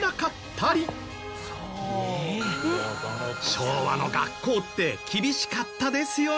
昭和の学校って厳しかったですよね。